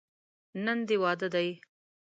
نن دې واده دی.